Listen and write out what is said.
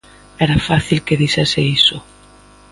Era fácil que dixese iso.